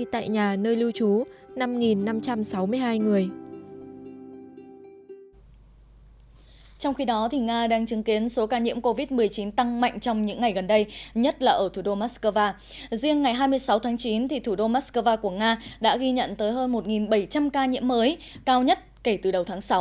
thưa quý vị phát huy truyền thống tốt đẹp của dân tộc việt nam thương người như thể thương thân hành động nhân văn cao cả của gia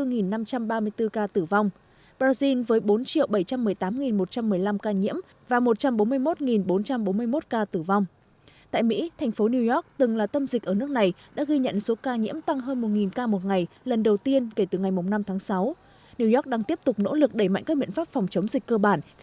đình và những người hiến mô tạng trên cả nước nói chung và của tỉnh ninh bình nói riêng đã và đang viết tiếp câu chuyện cao đẹp cho cuộc sống cho đi là còn mãi để ngày càng có nhiều hơn nữa sự sống được hồi sinh